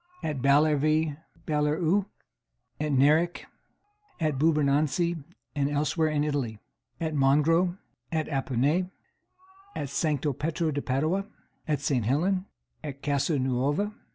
At Ballervie (Balleruc). At Neric. At Bourbonansie, and elsewhere in Italy. At Mongros. At Appone. At Sancto Petro de Padua. At St. Helen. At Casa Nuova.